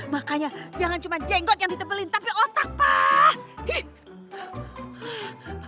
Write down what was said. makanya jangan cuma jenggot yang ditebelin tapi otak pak